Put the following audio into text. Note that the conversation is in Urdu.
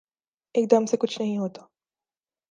ایک دم سے کچھ نہیں ہوتا